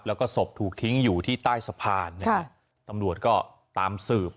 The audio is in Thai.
แล้วก็ศพถูกทิ้งอยู่ที่ใต้สะพานนะฮะตำรวจก็ตามสืบ